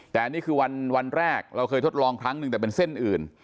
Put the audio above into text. แต่นี่คือวันแรกเราเคยทดลองครั้งหนึ่งแต่เป็นเส้นอื่น